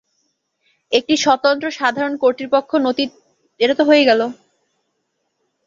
একটি স্বতন্ত্র সাধারণ কর্তৃপক্ষ নথি তৈরির ব্যর্থ প্রচেষ্টার পরে, নতুন ধারণাটি ছিল বিদ্যমান জাতীয় কর্তৃপক্ষের সাথে সংযোগ স্থাপন করা।